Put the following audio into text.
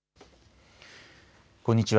こんにちは。